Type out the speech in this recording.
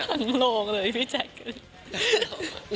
คนทั้งโลงเลยพี่แจกกัน